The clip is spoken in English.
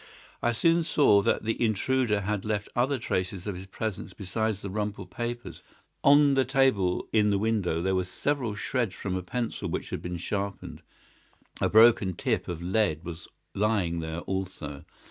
I soon saw that the intruder had left other traces of his presence besides the rumpled papers. On the table in the window were several shreds from a pencil which had been sharpened. A broken tip of lead was lying there also.